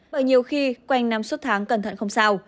bởi nhiều khi quanh năm suốt tháng cẩn thận không sao